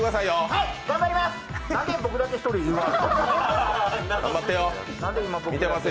はい、頑張ります。